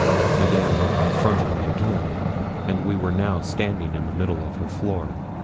Madame had confronted me again, and we were now standing in the middle of her floor.